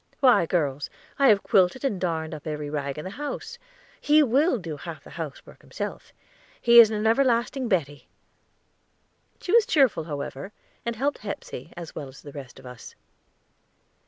"Why, girls, I have quilted and darned up every rag in the house. He will do half the housework himself; he is an everlasting Betty." She was cheerful, however, and helped Hepsey, as well as the rest of us.